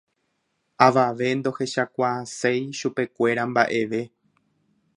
Avave ndohechakuaaséi chupekuéra mbaʼeve.